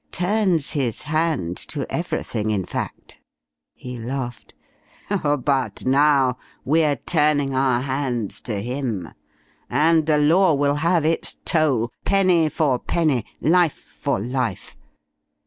Turns his hand to everything, in fact." He laughed. "But now we're turning our hands to him, and the Law will have its toll, penny for penny, life for life.